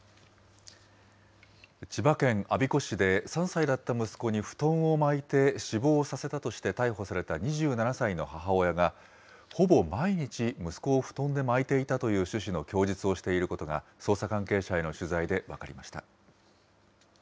千葉県我孫子市で、３歳だった息子に布団を巻いて死亡させたとして逮捕された２７歳の母親が、ほぼ毎日、息子を布団で巻いていたという趣旨の供述をしていることが、捜査関係者への取材で分かりました。